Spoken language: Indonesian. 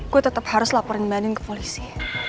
gue tetep harus laporin badan ke polisi